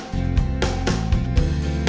kau mau kemana